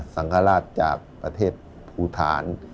สังฆราชจากประเทศภูฐาน